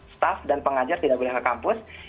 staff dan pengajar tidak boleh ke kampus